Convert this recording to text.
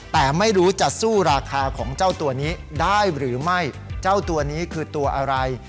แต่ไม่รู้จะสู้ราคาของเจ้าตัวนี้ได้หรือไม่เจ้าตัวนี้คือตัวอะไร